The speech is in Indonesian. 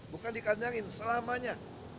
bukan dikandangin selamanya